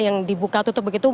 yang dibuka tutup begitu